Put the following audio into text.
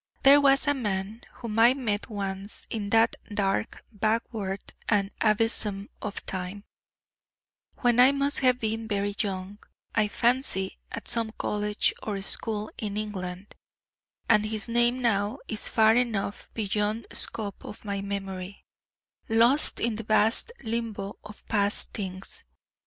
There was a man whom I met once in that dark backward and abysm of time, when I must have been very young I fancy at some college or school in England, and his name now is far enough beyond scope of my memory, lost in the vast limbo of past things.